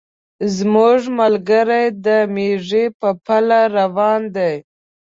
زموږ ملګري د مېږي په پله روان دي.